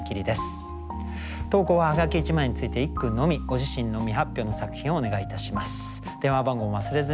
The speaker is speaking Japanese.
ご自身の未発表の作品をお願いいたします。